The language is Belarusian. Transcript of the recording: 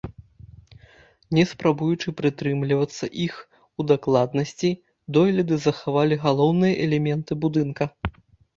Не спрабуючы прытрымлівацца іх у дакладнасці, дойліды захавалі галоўныя элементы будынка.